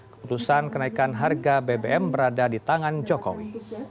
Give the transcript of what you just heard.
keputusan kenaikan harga bbm berada di tangan jokowi